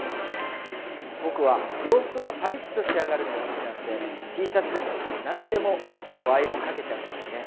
僕は洋服がパリッと仕上がるのが好きなのでＴシャツでも何でも結構アイロンかけちゃうんですよね。